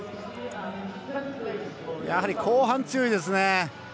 やはり後半、強いですね。